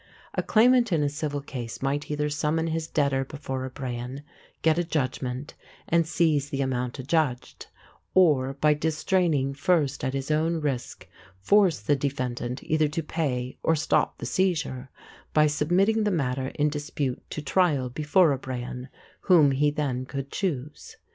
A claimant in a civil case might either summon his debtor before a brehon, get a judgment, and seize the amount adjudged, or, by distraining first at his own risk, force the defendant either to pay or stop the seizure by submitting the matter in dispute to trial before a brehon, whom he then could choose.